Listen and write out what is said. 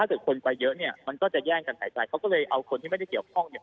ถ้าคือคนไปเยอะเนี่ยมันก็จะแย่งกันหายใจเขาก็เลยเอาคนที่ไม่ต้องเถอะมา